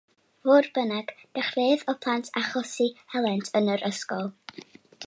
Fodd bynnag, dechreuodd y plant achosi helynt yn yr ysgol.